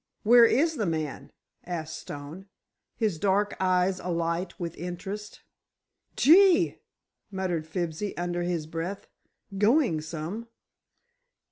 Where is the man?" asked Stone, his dark eyes alight with interest. "Gee!" muttered Fibsy, under his breath, "going some!"